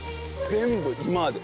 全部今まで。